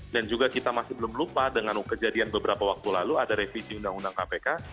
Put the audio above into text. dan juga kita masih belum lupa dengan kejadian beberapa waktu lalu ada revisi undang undang kpk